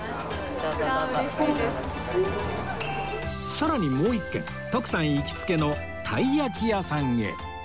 さらにもう１軒徳さん行きつけのたいやき屋さんへ